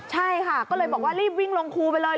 ใช่ค่ะก็เลยบอกว่าวิ่งลงคู่ไฟแล้ว